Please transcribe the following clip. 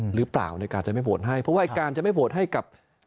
หรือเปล่าในการจะไม่โหวตให้เพราะว่าการจะไม่โหวตให้กับ